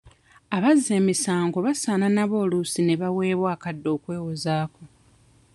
Abazza emisango basaana nabo oluusi baweebwe akadde okwewozaako.